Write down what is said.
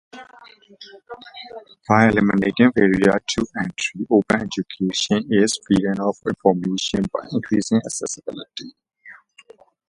By eliminating barriers to entry, open education aids freedom of information by increasing accessibility.